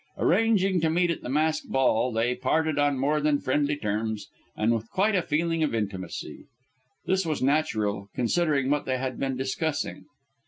Arranging to meet at the masked ball, they parted on more than friendly terms and with quite a feeling of intimacy. This was natural, considering what they had been discussing.